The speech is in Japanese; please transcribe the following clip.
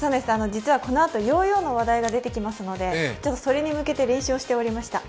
実はこのあとヨーヨーの話題が出ていたのでちょっとそれに向けて練習をしておりました。